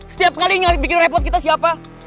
setiap kali bikin repot kita siapa